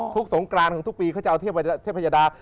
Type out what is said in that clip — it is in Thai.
สงกรานของทุกปีเขาจะเอาเทพยดา